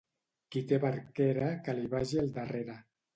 Qui té barquera, que li vagi al darrere.